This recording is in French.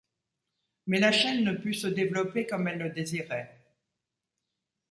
Mais la chaîne ne put se développer comme elle le désirait.